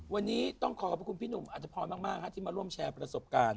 วันนี้ต้องขอขอบคุณพี่หนุ่มอัธพรมากที่มาร่วมแชร์ประสบการณ์